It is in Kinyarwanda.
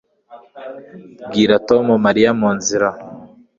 Bwira Tom Mary mu nzira